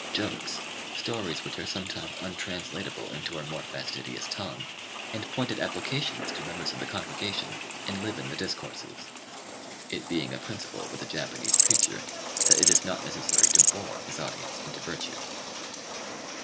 Jokes, stories which are sometimes untranslatable into our more fastidious tongue, and pointed applications to members of the congregation, enliven the discourses; it being a principle with the Japanese preacher that it is not necessary to bore his audience into virtue.